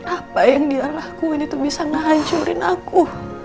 apa yang dia lakuin itu bisa ngancurin aku